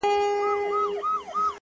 بيا تس ته سپكاوى كوي بدرنگه ككــرۍ؛